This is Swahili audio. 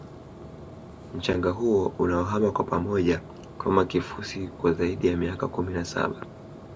mchanga huo unaohama kwa pamoja Kama kifusi kwa zaidi ya miaka kumi na saba